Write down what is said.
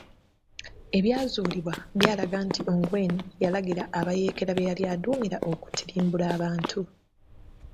Ebyazuulibwa byalaga nti Ongwen yalagira abayeekera b'eyali aduumira okutirimbula abantu .